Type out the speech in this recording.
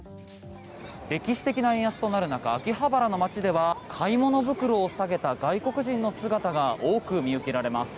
歴史的な円安となる中秋葉原の街では買い物袋を提げた外国人の姿が多く見受けられます。